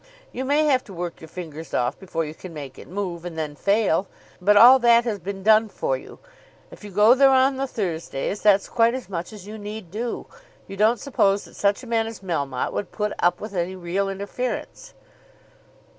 You may have to work your fingers off before you can make it move, and then fail. But all that has been done for you. If you go there on the Thursdays that's quite as much as you need do. You don't suppose that such a man as Melmotte would put up with any real interference."